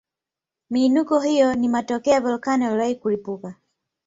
Miinuko hiyo ni matokeo ya volkeno iliyowahi kulipuka